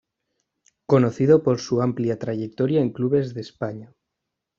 Conocido por su amplia trayectoria en clubes de España.